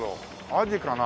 アジかな？